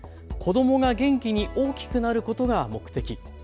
子どもが元気に大きくなることが目的。